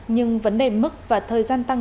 nhưng vấn đề mức và thời gian tăng